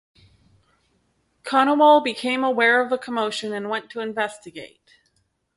Konowal became aware of a commotion and went to investigate.